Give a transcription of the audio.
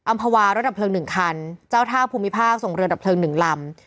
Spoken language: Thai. ภาวะรถดับเพลิง๑คันเจ้าท่าภูมิภาคส่งเรือดับเพลิง๑ลำ